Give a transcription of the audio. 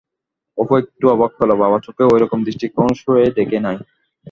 অপু একটু অবাক হইল, বাবার চোখের ওরকম দৃষ্টি কখনও সে দেখে নাই।